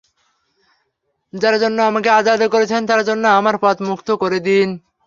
যার জন্য আমাকে আযাদ করেছেন তাঁর জন্য আমার পথ মুক্ত করে দিন।